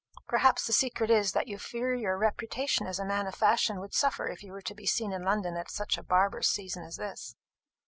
Perhaps the secret is, that you fear your reputation as a man of fashion would suffer were you to be seen in London at such a barbarous season as this."